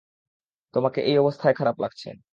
তোমাকে এই অবস্থায় খারাপ লাগছে।